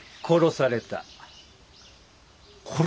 殺された！？